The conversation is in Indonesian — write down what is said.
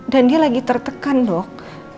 dan dia lagi tertekan dok